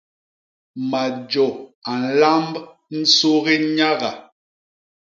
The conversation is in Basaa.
Majô a nlamb nsugi nyaga.